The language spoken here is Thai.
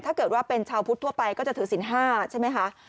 ถ้าเกิดว่าเป็นชาวพุทธทั่วไปก็จะถือศิลป๕ใช่ไหมคะ